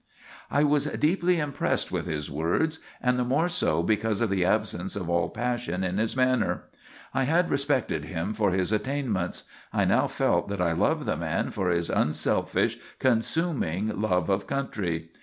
"I was deeply impressed with his words, and the more so because of the absence of all passion in his manner. I had respected him for his attainments; I now felt that I loved the man for his unselfish, consuming love of country.